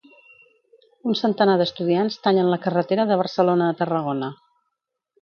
Un centenar d'estudiants tallen la carretera de Barcelona a Tarragona.